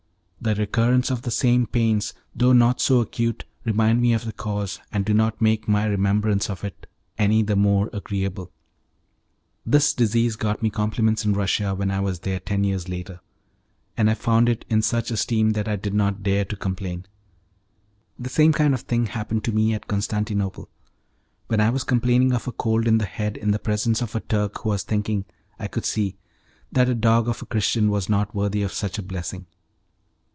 The recurrence of the same pains, though not so acute, remind me of the cause, and do not make my remembrance of it any the more agreeable. This disease got me compliments in Russia when I was there ten years later, and I found it in such esteem that I did not dare to complain. The same kind of thing happened to me at Constantinople, when I was complaining of a cold in the head in the presence of a Turk, who was thinking, I could see, that a dog of a Christian was not worthy of such a blessing.